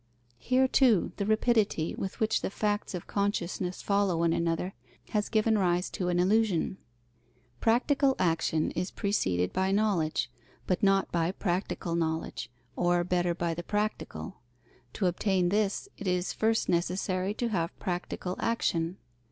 Here too, the rapidity, with which the facts of consciousness follow one another has given rise to an illusion. Practical action is preceded by knowledge, but not by practical knowledge, or better by the practical: to obtain this, it is first necessary to have practical action.